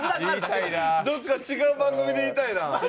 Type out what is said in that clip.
どっか違う番組で言いたいな。